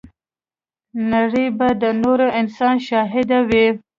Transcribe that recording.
نړۍ به د نوي انسان شاهده وي.